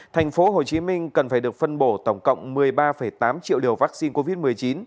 thành phố hồ chí minh cần phải được phân bổ tổng cộng một mươi ba tám triệu liều vaccine covid một mươi chín